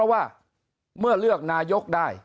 ว่าเมื่อเลือกนายกรัฐมนตรีได้